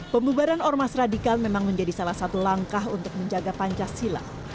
pembubaran ormas radikal memang menjadi salah satu langkah untuk menjaga pancasila